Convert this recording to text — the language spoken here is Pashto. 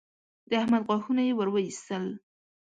د احمد غاښونه يې ور واېستل